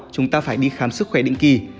chúng ta phải đi khám sức khỏe định kỳ